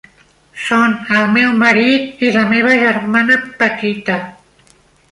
Són el meu marit i la meva germana petita.